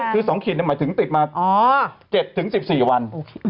คือ๒ขีดหมายถึงติดมา๗๑๔วัน